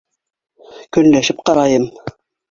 Көнләшеп ҡарайым